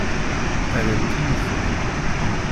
Rrant-iyi-ten-id.